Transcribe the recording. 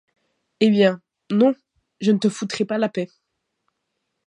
Eh bien, non, je ne te foutrai pas la paix!